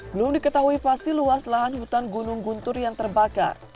belum diketahui pasti luas lahan hutan gunung guntur yang terbakar